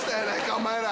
お前ら！